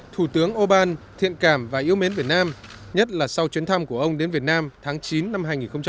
thủ tướng âu ban thiện cảm và yêu mến việt nam nhất là sau chuyến thăm của ông đến việt nam tháng chín năm hai nghìn một mươi bảy